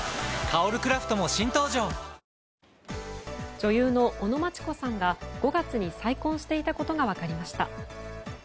女優の尾野真千子さんが５月に再婚していたことが分かりました。